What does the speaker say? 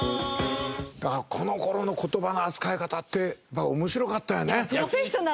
この頃の言葉の扱い方って面白かったよね。